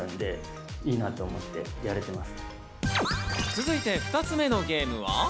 続いて２つ目のゲームは。